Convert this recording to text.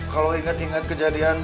kalau ingat ingat kejadian